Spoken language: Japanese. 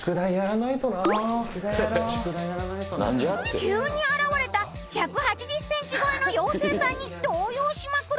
急に現れた１８０ｃｍ超えの妖精さんに動揺しまくる